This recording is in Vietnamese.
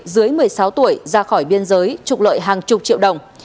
dưới một mươi sáu tuổi ra khỏi biên giới trục lợi hàng chục triệu đồng